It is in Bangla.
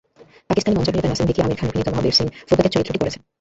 পাকিস্তানি মঞ্চাভিনেতা নাসিম ভিকি আমির খান অভিনীত মহাবীর সিং ফোগাতের চরিত্রটি করছেন।